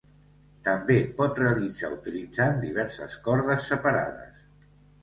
També pot realitzar utilitzant diverses cordes separades.